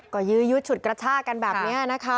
ก็ยื้อยุดฉุดกระชากันแบบนี้นะคะ